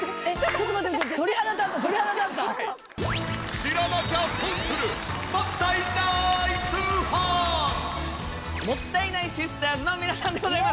知らなきゃ損する！もったいないシスターズの皆さんでございます。